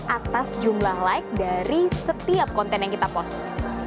atas jumlah like dari setiap konten yang kita post